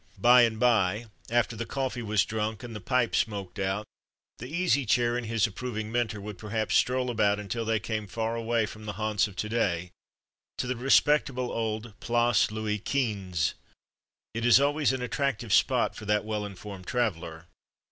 By and by, after the coffee was drunk and the pipe smoked out, the Easy Chair and his approving Mentor would perhaps stroll about until they came far away from the haunts of to day to the respectable old Place Louis Quinze. It is always an attractive spot for that well informed traveller.